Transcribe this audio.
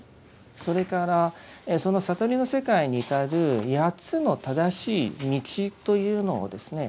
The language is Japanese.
それからその悟りの世界に至る八つの正しい道というのをですね